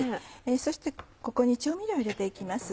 そしてここに調味料入れて行きます。